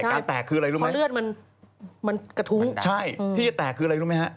ใช่เพราะเลือดมันกระทุ้งมันดักใช่ที่จะแตกคืออะไรรู้ไหมครับ